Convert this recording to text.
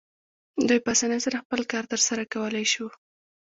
دوی په اسانۍ سره خپل کار ترسره کولی شو.